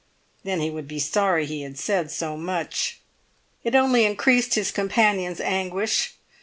Then he would be sorry he had said so much. It only increased his companion's anguish.